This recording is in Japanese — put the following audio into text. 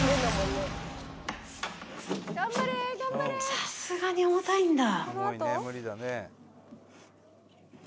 さすがに重たいんだ